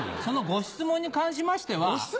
ご質問に関しましては？